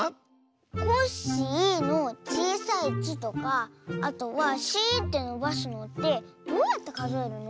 「コッシー」のちいさい「ッ」とかあとは「シー」ってのばすのってどうやってかぞえるの？